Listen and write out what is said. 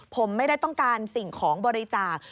ผมไม่ได้ต้องการสิ่งของบริจาค